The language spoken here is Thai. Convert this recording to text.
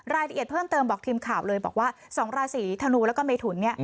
รายละเอียดเพิ่มเติมบอกทีมข่าวเลยบอกว่า๒ราศีธนูแล้วก็เมถุนเนี่ย